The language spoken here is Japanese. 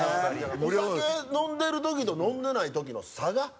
お酒飲んでる時と飲んでない時の差が。